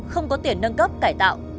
không có tiền nâng cấp cải tạo